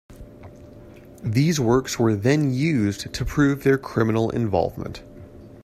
These works then were used to prove their criminal involvement.